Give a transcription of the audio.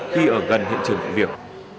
khi ở gần hiện trường nội việc